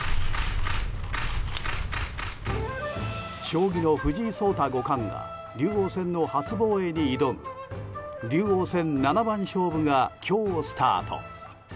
将棋の藤井聡太五冠が竜王戦の初防衛に挑む竜王戦七番勝負が今日スタート。